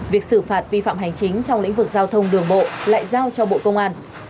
việc xử phạt vi phạm hành chính trong lĩnh vực giao thông đường bộ lại giao cho bộ công an